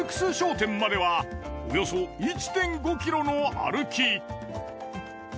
店まではおよそ１．５ｋｍの歩き。